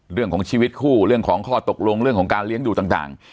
เรื่องของชีวิตคู่เรื่องของข้อตกลงเรื่องของการเลี้ยงดูต่าง